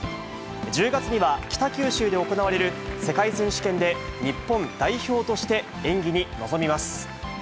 １０月には北九州で行われる世界選手権で日本代表として演技に臨みます。